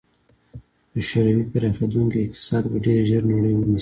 د شوروي پراخېدونکی اقتصاد به ډېر ژر نړۍ ونیسي.